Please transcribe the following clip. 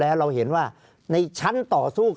ภารกิจสรรค์ภารกิจสรรค์